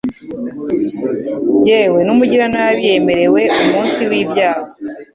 yewe n’umugiranabi yaremewe umunsi w’ibyago